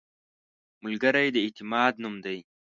ملګری د اعتماد نوم دی